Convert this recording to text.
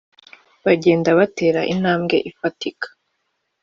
bagenda batera intambwe ifatika